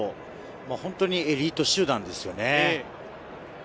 本当にエリート集団ですよね。